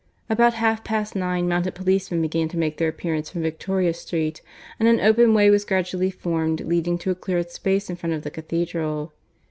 About half past nine mounted policemen began to make their appearance from Victoria Street, and an open way was gradually formed leading to a cleared space in front of the Cathedral.